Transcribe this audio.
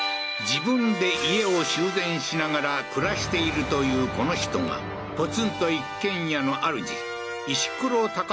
自分で家を修繕しながら暮らしているというこの人がポツンと一軒家のあるじ８６？